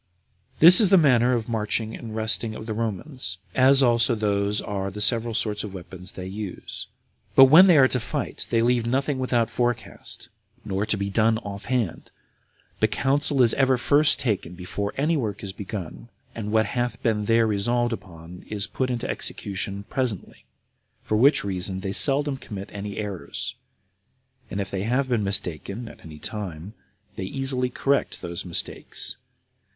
6. This is the manner of the marching and resting of the Romans, as also these are the several sorts of weapons they use. But when they are to fight, they leave nothing without forecast, nor to be done off hand, but counsel is ever first taken before any work is begun, and what hath been there resolved upon is put in execution presently; for which reason they seldom commit any errors; and if they have been mistaken at any time, they easily correct those mistakes.